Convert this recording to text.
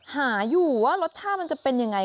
หาอยู่ว่ารสชาติมันจะเป็นยังไง